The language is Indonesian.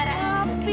aduh kesian banget tom